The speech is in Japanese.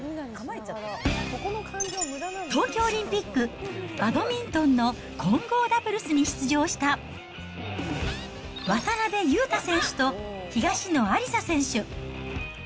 東京オリンピック、バドミントンの混合ダブルスに出場した、渡辺勇大選手と東野有紗選手。